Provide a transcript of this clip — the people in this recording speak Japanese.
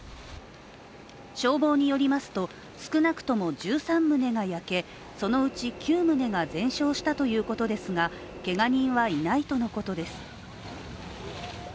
消防によりますと、少なくとも１３棟が焼けそのうち９棟が全焼したということですがけが人はいないとのことです。